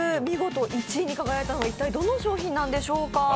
見事、１位に輝いたのはどの商品なんでしょうか。